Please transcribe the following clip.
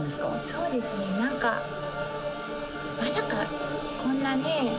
そうですね何かまさかこんなね